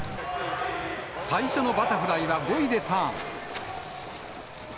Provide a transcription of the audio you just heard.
最初のバタフライは５位でターン。